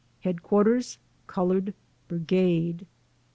HEADQUARTERS COLORED BRIGADE.